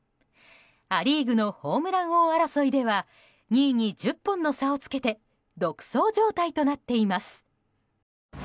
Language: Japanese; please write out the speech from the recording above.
ア・リーグのホームラン王争いでは２位に１０本の差をつけて独走状態となっています。